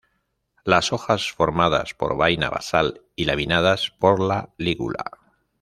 Las hojas formadas por vaina basal y laminadas por la lígula.